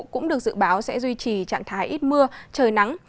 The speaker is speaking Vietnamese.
cũng được dự báo sẽ duy trì trạng thái ít mưa trời nắng